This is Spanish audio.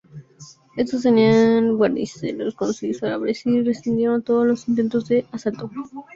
Estos tenían guarniciones considerables y resistieron todos los intentos de asalto.